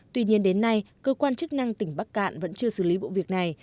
tuy nhiên đến nay cơ quan chức năng tỉnh bắc cạn vẫn chưa xử lý vụ việc này